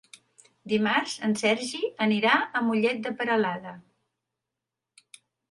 Dimarts en Sergi anirà a Mollet de Peralada.